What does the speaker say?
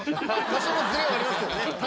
多少のズレはありますけどね。